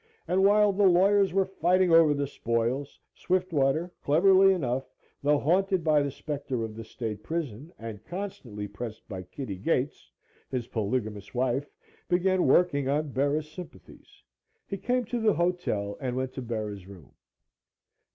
And while the lawyers were fighting over the spoils, Swiftwater cleverly enough, though haunted by the spectre of the state prison, and constantly pressed by Kitty Gates, his polygamous wife, began working on Bera's sympathies. He came to the hotel and went to Bera's room.